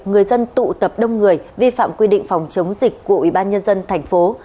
người dân tụ tập đông người vi phạm quy định phòng chống dịch của ủy ban nhân dân thành phố